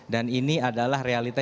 dan ini adalah realita